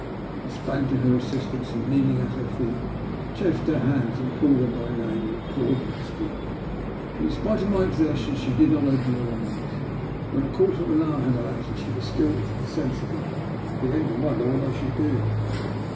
I sprang to her assistance, and, kneeling at her feet, chafed her hands and called her by name, and implored her to speak to me. But in spite of my exertions, she did not open her eyes. When a quarter of an hour had elapsed, and she was still in sensible, I began to wonder what I should do.